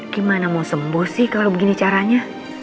gimana mau sembuh sih kalau begini caranya